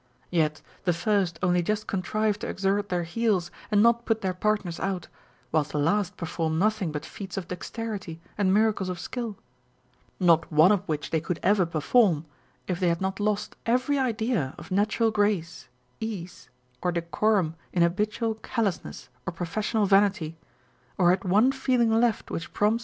Yet the first only just contrive to exert their heels, and not put their partners out, whilst the last perform nothing but feats of dexterity and miracles of skill â€" not one of which they could ever perform if they had not lost every idea of natural grace, e ise, or decorum in habitual callousness or professional vanity, or had one feeling left which prompts On Novelty and Familiarity.